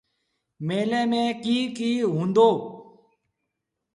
ميلي ميݩ ڪيٚ ڪيٚ هُݩدو۔